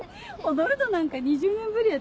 踊るのなんか２０年ぶり私。